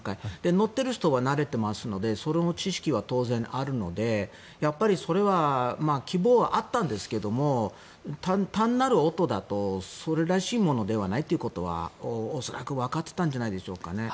乗っている人は慣れていますのでそれは希望はあったんですが単なる音だとそれらしいものではないということは恐らくわかってたんじゃないでしょうか。